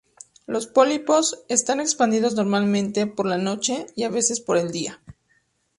Los pólipos están expandidos normalmente por la noche y, a veces, por el día.